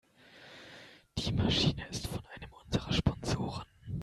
Die Maschine ist von einem unserer Sponsoren.